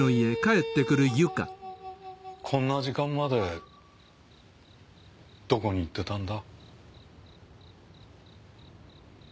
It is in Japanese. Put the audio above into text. こんな時間までどこに行ってたんだ？